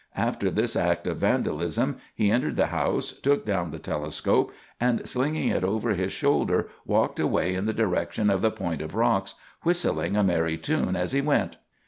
After this act of vandalism he entered the house, took down the telescope, and, slinging it over his shoulder, walked away in the direction of the point of rocks, whistling a merry tune as he went."